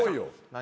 何？